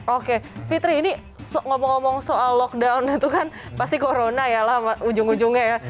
oke fitri ini ngomong ngomong soal lockdown itu kan pasti corona ya lah ujung ujungnya ya